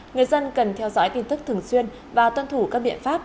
người dân cần theo dõi tin tức thường xuyên và tuân thủ các biện pháp